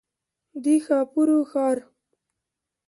د ښاپورو ښار.